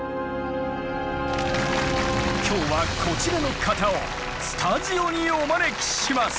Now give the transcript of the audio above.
今日はこちらの方をスタジオにお招きします！